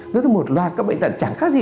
nó là một loạt các bệnh tật chẳng khác gì